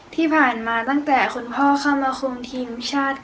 ที่ผ่านมาตั้งแต่คุณพ่อเข้ามาคุมทีมชาติ